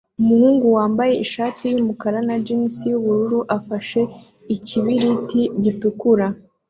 Umuhungu wambaye ishati yumukara na jans yubururu afashe ikibiriti gitukura